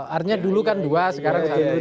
artinya dulu kan dua sekarang satu